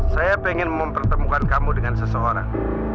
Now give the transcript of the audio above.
saya ingin mempertemukan kamu dengan seseorang